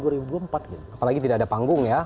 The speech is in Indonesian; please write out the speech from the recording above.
apalagi tidak ada panggung ya